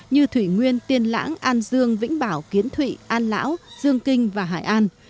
như thủy nguyên tiên lãng an dương vĩnh bảo kiến thụy an lão dương kinh và hải an